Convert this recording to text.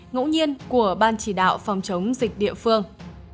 ngẫu nhiên của ban chỉ đạo phòng chống dịch địa phương